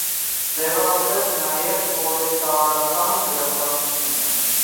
Ձևավորվեց նաև պրոլետարական գրականությունը։